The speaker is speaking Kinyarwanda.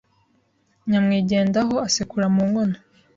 Nyamwigendaho Asekura mu nkono